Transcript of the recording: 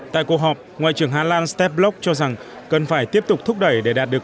tại cuộc họp ngoại trưởng hà lan step block cho rằng cần phải tiếp tục thúc đẩy để đạt được